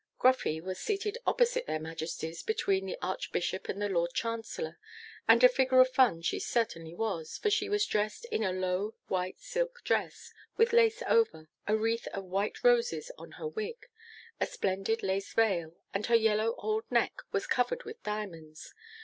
Gruffy was seated opposite their Majesties, between the Archbishop and the Lord Chancellor, and a figure of fun she certainly was, for she was dressed in a low white silk dress, with lace over, a wreath of white roses on her wig, a splendid lace veil, and her yellow old neck was covered with diamonds.